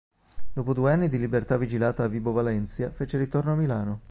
Dopo due anni di libertà vigilata a Vibo Valentia fece ritorno a Milano.